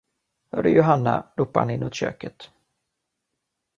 Hör du, Johanna, ropade han inåt köket.